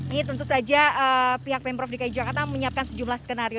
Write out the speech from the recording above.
ini tentu saja pihak pemprov dki jakarta menyiapkan sejumlah skenario